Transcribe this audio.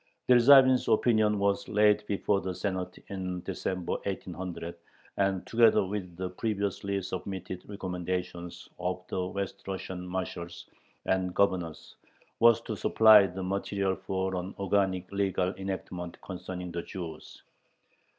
Dyerzhavin's "Opinion" was laid before the Senate in December, 1800, and together with the previously submitted recommendations of the West Russian marshals and governors was to supply the material for an organic legal enactment concerning the Jews.